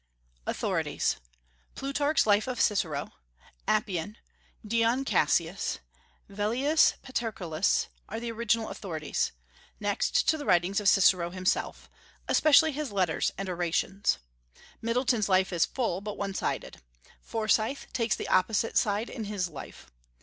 AUTHORITIES. Plutarch's Life of Cicero, Appian, Dion Cassius, Villeius Paterculus, are the original authorities, next to the writings of Cicero himself, especially his Letters and Orations. Middleton's Life is full, but one sided. Forsyth takes the opposite side in his Life.